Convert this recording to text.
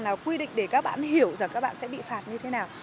nào quy định để các bạn hiểu rằng các bạn sẽ bị phạt như thế nào